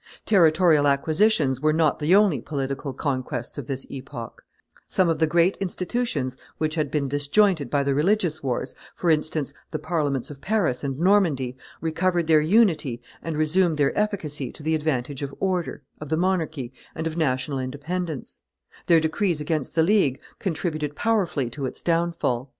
Territorial acquisitions were not the only political conquests of this epoch; some of the great institutions which had been disjointed by the religious wars, for instance, the Parliaments of Paris and Normandy, recovered their unity and resumed their efficacy to the advantage of order, of the monarchy, and of national independence; their decrees against the League contributed powerfully to its downfall.